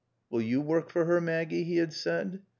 "Wull yo' wark for 'er, Maaggie?" he had said.